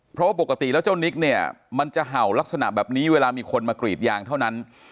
เพราะปกติแล้วเจ้านิกเนี่ยมันจะเห่าลักษณะแบบนี้เวลามีคนมากรีดยางเท่านั้น